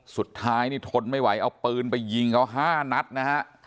สุดท้ายนี่ทนไม่ไหวเอาปืนไปยิงเขา๕นัดนะฮะ